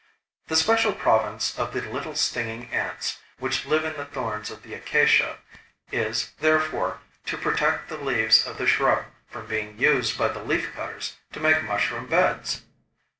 The special province of the little stinging ants, which live in the thorns of the acacia, is, therefore, to protect the leaves of the shrub from being used by the leaf cutters to make mushroom beds.